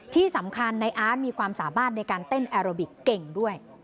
ที่สำคัญในอาร์ตมีความสามารถในการเต้นแอโรบิกเก่งด้วย